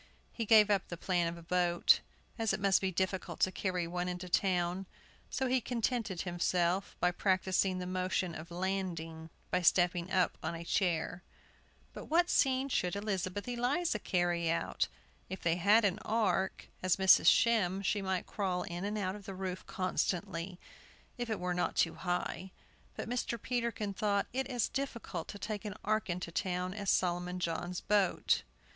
He gave up the plan of a boat, as it must be difficult to carry one into town; so he contented himself by practising the motion of landing by stepping up on a chair. But what scene could Elizabeth Eliza carry out? If they had an ark, as Mrs. Shem she might crawl in and out of the roof constantly, if it were not too high. But Mr. Peterkin thought it as difficult to take an ark into town as Solomon John's boat.